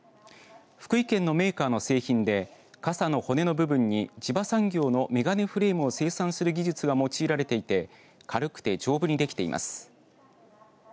福井県のメーカーの製品で傘の骨の部分に地場産業の眼鏡フレームを生産する技術が用いられていて軽くて丈夫に出来ています。